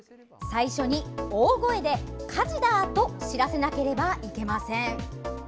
最初に大声で、火事だー！と知らせなければいけません。